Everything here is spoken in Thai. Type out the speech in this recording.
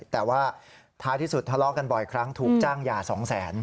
แต่ว่าท้ายที่สุดทะเลาะกันบ่อยครั้งถูกจ้างหย่า๒แสน